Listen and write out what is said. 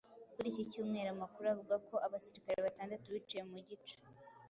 Kuri iki cyumweru, amakuru avuga ko abasirikare batandatu biciwe mu gico